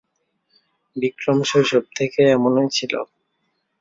বিক্রম শৈশব থেকে এমনই ছিল।